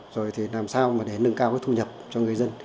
rồi thì làm sao để nâng cao thu nhập cho người dân